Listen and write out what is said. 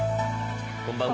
こんばんは。